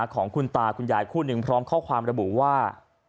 ของคุณตาคุณยายคู่หนึ่งพร้อมข้อความระบุว่า